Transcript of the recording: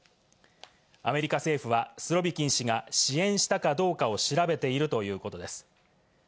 アメリカ政府はスロビキン氏が支援したかどうかを調べているということです。